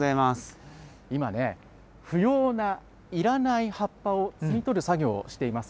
今ね、不要ないらない葉っぱを摘み取る作業をしています。